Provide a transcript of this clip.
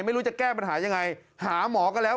ไม่รู้จะแก้ปัญหายังไงหาหมอก็แล้ว